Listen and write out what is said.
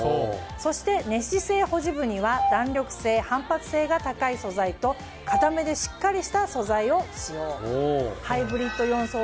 そして寝姿勢保持部には弾力性反発性が高い素材と硬めでしっかりした素材を使用。